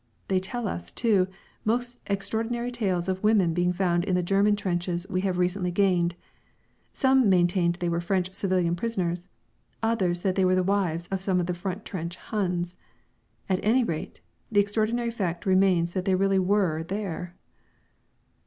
They tell us, too, most extraordinary tales of women being found in the German trenches we have recently gained: some maintain they were French civilian prisoners; others that they were the wives of some of the front trench Huns. At any rate, the extraordinary fact remains that they really were there.